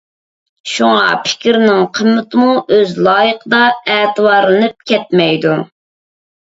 شۇڭا، پىكىرنىڭ قىممىتىمۇ ئۆز لايىقىدا ئەتىۋارلىنىپ كەتمەيدۇ.